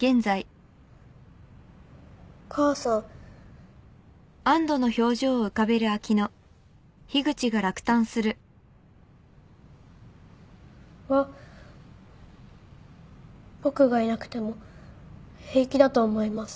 お母さん。は僕がいなくても平気だと思います。